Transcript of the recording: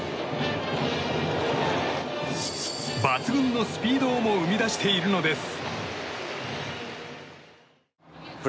抜群のスピードをも生み出しているのです。